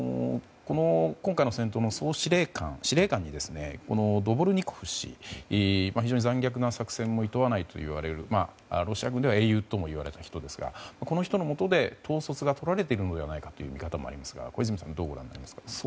今回の戦闘の司令官にドボルニコフ氏非常に残虐な作戦もいとわないというロシアでは英雄と言われた人ですがこの人のもとで統率がとられているのではないかという見方もありますが小泉さんはどうご覧になりますか？